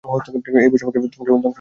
এই বৈষম্যকে ধ্বংস করিবার জন্যই সংগ্রাম।